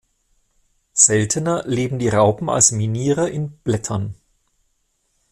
Seltener leben die Raupen als Minierer in Blättern.